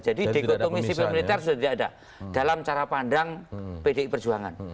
jadi dikotomi sivil militer sudah tidak ada dalam cara pandang pdi perjuangan